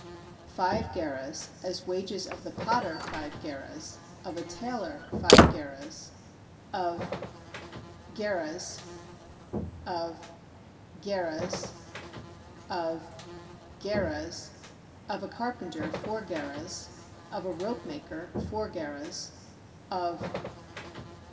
five gerahs, as wages of the potter five gerahs, of a tailor five gerahs, of ... gerahs, ... of ... gerahs ... of ... gerahs, of a carpenter four gerahs, of a rope maker four gerahs, of